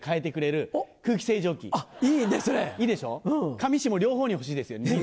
上下両方に欲しいですよね。